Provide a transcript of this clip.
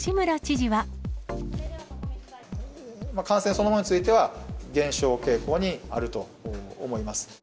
感染そのものについては、減少傾向にあると思います。